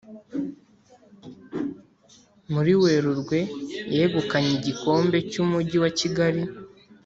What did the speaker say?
muriwerurwe yegukanye igikombe cy’umujyi wa kigali